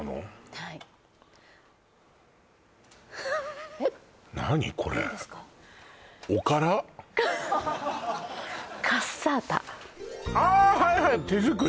はいはい手作り？